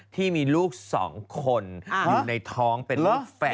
ที่มีลูก๒คนอยู่ในท้องเป็นลูกแฝด